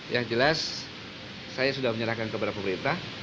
yang jelas saya sudah menyerahkan kepada pemerintah